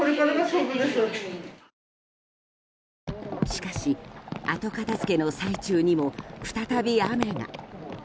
しかし、後片付けの最中にも再び雨が。